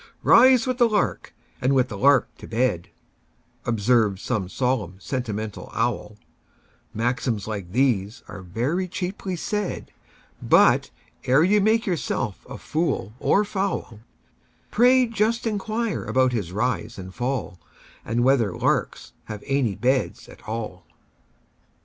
"Rise with the lark, and with the lark to bed,"Observes some solemn, sentimental owl; Maxims like these are very cheaply said; But, ere you make yourself a fool or fowl, Pray just inquire about his rise and fall, And whether larks have any beds at all!